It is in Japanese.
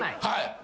はい。